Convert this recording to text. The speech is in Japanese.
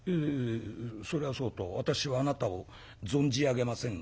「それはそうと私はあなたを存じ上げませんが」。